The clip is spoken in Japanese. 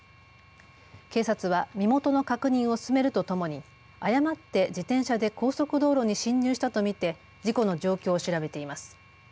警察は身元の確認を進めるとともに、誤って自転車で高速道路に進入したと見て事故の状況を調べています。